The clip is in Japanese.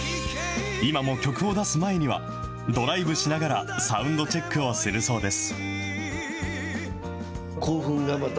今も曲を出す前には、ドライブしながらサウンドチェックをするそうです。